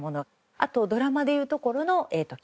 あとドラマでいうところの脚本ですね。